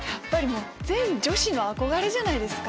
全女子の憧れじゃないですか。